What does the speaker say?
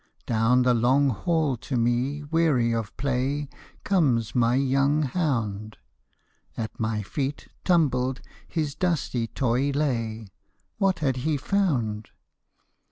Down the long hall to me, weary of play. Comes my young hound ; At my feet, tumbled, his dusty toy lay — What had he found